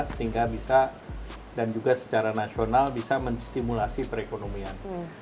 sehingga bisa dan juga secara nasional bisa menstimulasi perekonomian